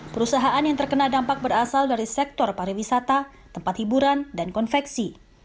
perusahaan yang terkena dampak berasal dari sektor pariwisata tempat hiburan dan konveksi